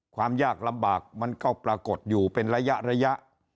ความยากลำบากมันก็ปรากฏอยู่เป็นระยะ